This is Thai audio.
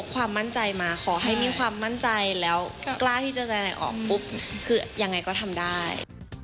กล้าที่จะได้ออกปุ๊บคือยังไงก็ทำได้